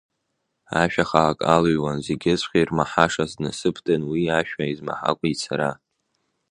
Ашәа хаак алыҩуан, зегьыҵәҟьа ирмаҳашаз, днасыԥдан уи ашәа змаҳакәа ицара.